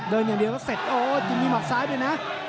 เดินอยากเดียวแล้วเสร็จโอ้ยจะมีมัดซ้ายนะ